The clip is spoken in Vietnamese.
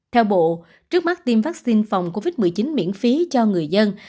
theo bộ trước mắt tiêm vaccine phòng covid một mươi chín miễn phí cho người dân